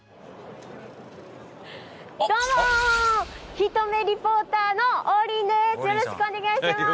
ひと目リポーターの王林です！